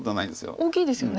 大きいですよね。